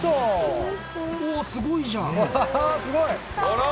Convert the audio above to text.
おすごいじゃん。